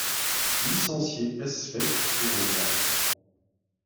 Licencié ès lettres et en droit.